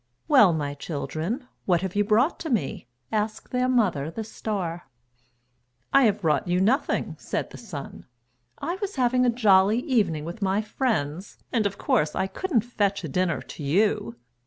"Well, my children, what have you brought to me?" asked their mother, the Star. "I have brought you nothing," said the Sun. "I was having a jolly evening with my friends, and, of course, I couldn't fetch a dinner to you!"